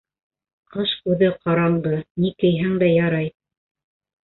Ҡыш күҙе ҡараңғы, ни кейһәң дә ярай.